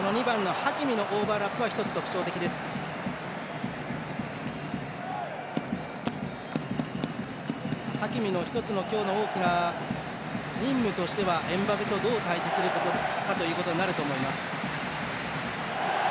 ハキミの今日の１つの大きな任務としてはエムバペとどう対じすることかということになると思います